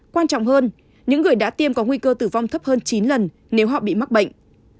quan trọng hơn những người đã tiêm có nguy cơ tử vong thấp hơn chín lần nếu họ bị mắc bệnh